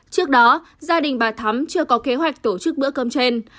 trước đó gia đình bà thắm chưa có kế hoạch tổ chức bữa cơm trên